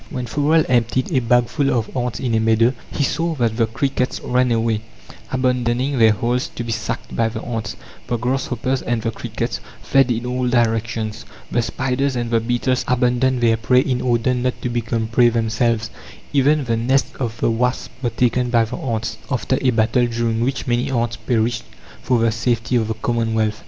When Forel emptied a bagful of ants in a meadow, he saw that "the crickets ran away, abandoning their holes to be sacked by the ants; the grasshoppers and the crickets fled in all directions; the spiders and the beetles abandoned their prey in order not to become prey themselves;" even the nests of the wasps were taken by the ants, after a battle during which many ants perished for the safety of the commonwealth.